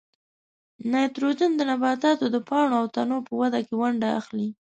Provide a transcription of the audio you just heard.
نایتروجن د نباتاتو د پاڼو او تنو په وده کې ونډه اخلي.